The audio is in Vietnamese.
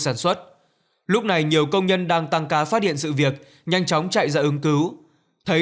sản xuất lúc này nhiều công nhân đang tăng ca phát hiện sự việc nhanh chóng chạy ra ứng cứu thấy